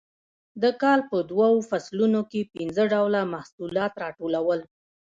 د کال په دوو فصلونو کې پنځه ډوله محصولات راټولول